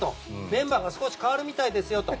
メンバーが少し変わるみたいですよと。